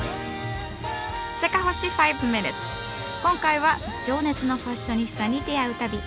今回は情熱のファッショニスタに出会う旅！